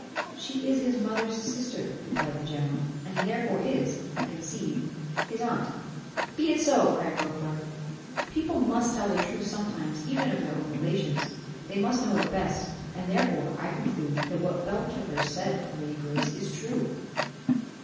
"She is his mother's sister," replied the general, "and therefore is, I conceive, his aunt." "Be it so," cried Beauclerc; "people must tell the truth sometimes, even of their own relations; they must know it best, and therefore I conclude that what Beltravers said of Lady Grace is true."